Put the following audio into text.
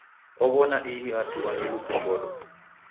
Ow'ona ihi hatua ni lukongodo.